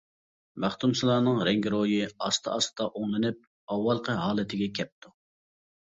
مەختۇمسۇلانىڭ رەڭگىرويى ئاستا-ئاستا ئوڭلىنىپ، ئاۋۋالقى ھالىتىگە كەپتۇ.